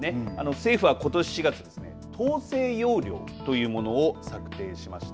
政府はことし４月統制要領というものを策定しました。